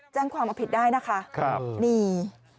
จัดความอภิระได้นะค่ะนี่